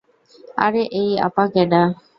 আরে এই আপা কেডা?